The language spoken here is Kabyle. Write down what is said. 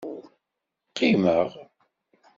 Qimeɣ.